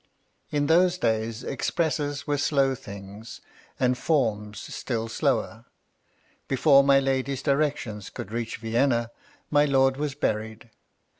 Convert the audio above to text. In those days, expresses were slow things, and forms still slower. Before my lady's directions could reach Vienna, my lord was buried.